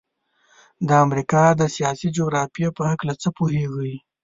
د امریکا د سیاسي جغرافیې په هلکه څه پوهیږئ؟